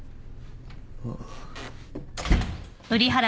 ああ。